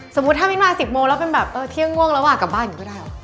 สมมุติถ้าไม่มา๑๐โมงแล้วเป็นแบบเที่ยงง่วงแล้วอ่ะกลับบ้านก็ได้หรือ